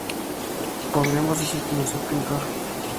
Podríamos decir que nació pintor.